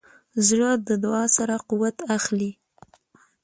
زړه د دعا سره قوت اخلي.